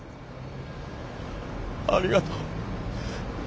ありがとう。